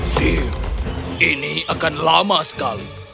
sim ini akan lama sekali